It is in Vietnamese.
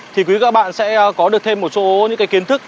thì quý các bạn sẽ có được thêm một số những cái kiến thức